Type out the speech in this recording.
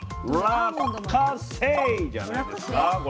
落花生じゃないですか？